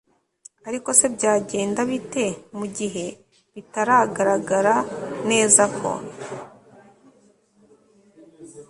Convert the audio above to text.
ariko se byagenda bite mu gihe bitagaragara neza ko